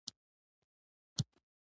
• ته لکه د ګل پاڼه نرمه یې.